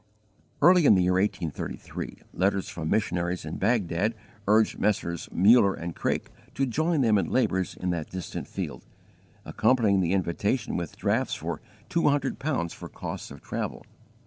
Early in the year 1833, letters from missionaries in Baghdad urged Messrs. Muller and Craik to join them in labours in that distant field, accompanying the invitation with drafts for two hundred pounds for costs of travel.